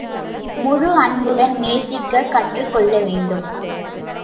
முழு அன்புடன் நேசிக்கக் கற்றுக் கொள்ள வேண்டும்.